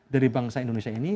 dari bangsa indonesia ini